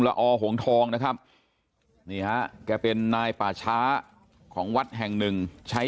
ละออหงทองนะครับนี่ฮะแกเป็นนายป่าช้าของวัดแห่งหนึ่งใช้